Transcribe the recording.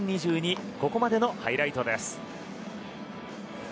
ここまでのハイライトです。